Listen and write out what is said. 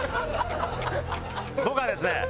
僕はですね